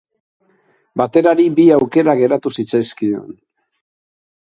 Baterari bi aukera geratu zitzaizkion.